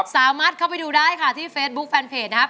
สามารถเข้าไปดูได้ค่ะที่เฟซบุ๊คแฟนเพจนะครับ